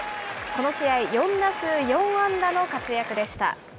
この試合、４打数４安打の活躍でした。